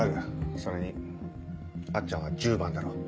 それにあっちゃんは１０番だろ？